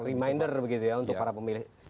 reminder begitu ya untuk para pemilih